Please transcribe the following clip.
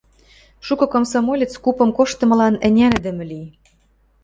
Шукы комсомолец купым коштымылан ӹнянӹдӹмӹ ли.